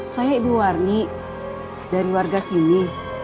saya ibu warni dari warga sini